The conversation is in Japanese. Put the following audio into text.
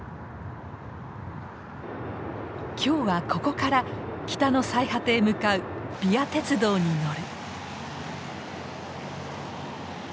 今日はここから北の最果てへ向かうＶＩＡ鉄道に乗る。